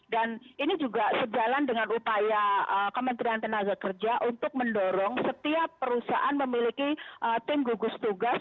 dan ini juga sejalan dengan upaya kementerian tenaga kerja untuk mendorong setiap perusahaan memiliki tim gugus tugas